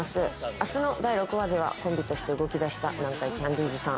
明日の第６話ではコンビとして動き出した、南海キャンディーズさん。